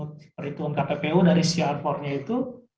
keperintahan kppu dari siar fornya itu